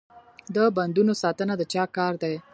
د بندونو ساتنه د چا کار دی؟